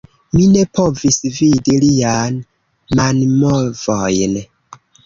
Mi ne povis vidi lian manmovojn